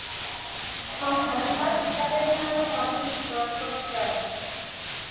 This was her first professionally published work of prose.